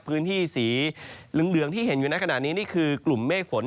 พื้นที่สีเหลืองที่เห็นอยู่ในขณะนี้นี่คือกลุ่มเมฆฝน